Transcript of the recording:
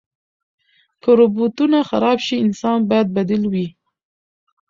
که روبوټونه خراب شي، انسان باید بدیل وي.